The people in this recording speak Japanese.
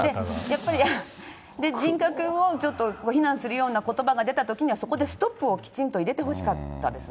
やっぱり、人格をちょっと非難するようなことばが出たときには、そこでストップをきちっと入れてほしかったですよね。